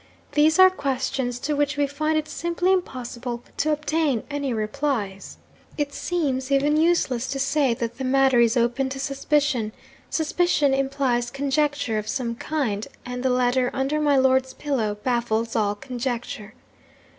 these are questions to which we find it simply impossible to obtain any replies. It seems even useless to say that the matter is open to suspicion. Suspicion implies conjecture of some kind and the letter under my lord's pillow baffles all conjecture.